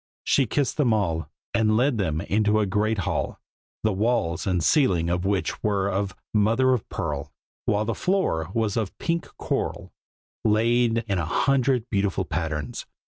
She kissed them all, and led them into a great hall, the walls and ceiling of which were of mother of pearl, while the floor was of pink coral, laid in a hundred beautiful patterns.